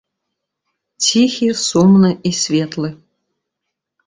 Ціхі, сумны і светлы.